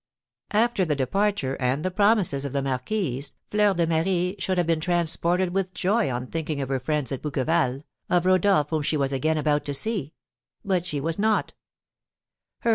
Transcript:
After the departure and the promises of the marquise, Fleur de Marie should have been transported with joy on thinking of her friends at Bouqueval, of Rodolph whom she was again about to see. But she was not.